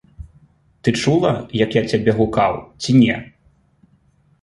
Ты чула, як я цябе гукаў, ці не?